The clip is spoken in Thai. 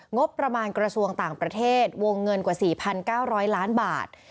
งบประมาณกระทรวงต่างประเทศวงเงินกว่า๔๙๐๐ล้านบาท